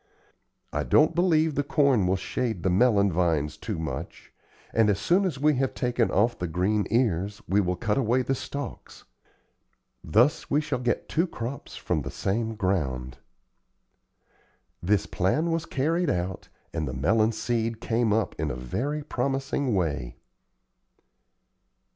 I don't believe the corn will shade the melon vines too much; and as soon as we have taken off the green ears we will cut away the stalks. Thus we shall get two crops from the same ground." This plan was carried out, and the melon seed came up in a very promising way.